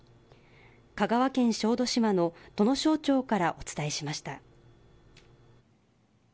香川県小豆島の土庄町からお伝えしました。